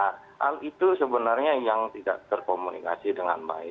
nah hal itu sebenarnya yang tidak terkomunikasi dengan baik